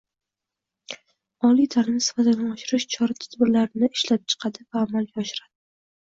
oliy ta’lim sifatini oshirish chora-tadbirlarini ishlab chiqadi va amalga oshiradi